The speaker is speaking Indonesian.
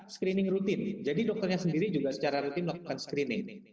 screening rutin jadi dokternya sendiri juga secara rutin melakukan screening